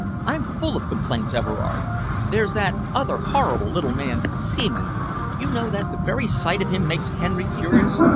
I'm full of complaints, Everard. There's that other horrible little man, Seaman. You know that the very sight of him makes Henry furious.